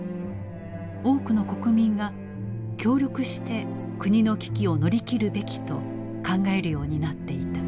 多くの国民が協力して国の危機を乗り切るべきと考えるようになっていた。